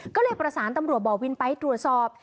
ก็เลยประสานตำรวจบ่อวินไปตรวจสอบ